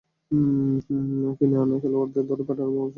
কিনে আনা খেলোয়াড় ধারে পাঠানোয় প্রশ্নের মুখে পড়েছে ইংলিশ ক্লাব চেলসি।